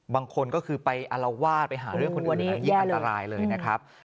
บางคนก็คือไปอารวาสไปหาเรื่องคนอื่นยิ่งอันตรายเลยนะครับ